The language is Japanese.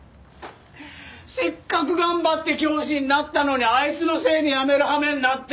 せっかく頑張って教師になったのにあいつのせいで辞める羽目になって。